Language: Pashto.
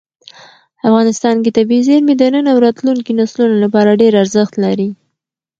افغانستان کې طبیعي زیرمې د نن او راتلونکي نسلونو لپاره ډېر زیات ارزښت لري.